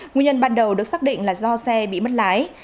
nguyên nhân ban đầu được xác định là do xe bị mất lái